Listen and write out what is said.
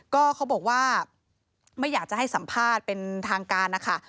ก็เขาบอกว่าไม่อยากจะให้สัมภาษณ์เป็นทางการนะคะ